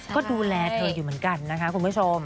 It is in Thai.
ก็ดูแลเธออยู่เหมือนกันนะคะคุณผู้ชม